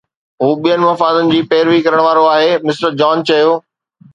هو ٻين مفادن جي پيروي ڪرڻ وارو آهي، مسٽر جان چيو